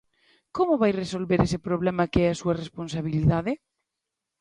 ¿Como vai resolver ese problema que é a súa responsabilidade?